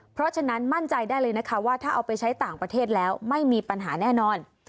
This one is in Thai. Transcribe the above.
เพราะฉะนั้นมั่นใจได้เลยนะคะว่าถ้าเอาไปใช้ต่างประเทศแล้วไม่มีปัญหาแน่นอน